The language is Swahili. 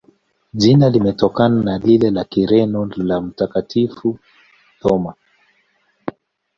Jina limetokana na lile la Kireno la Mtakatifu Thoma.